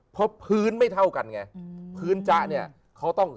เพราะพื้นไม่เท่ากันไงพื้นจ๊ะเนี่ยเขาต้อง